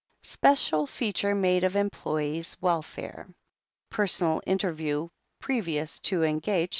Special feature made of employees' welfare." Q "Personal interview previous to engagt.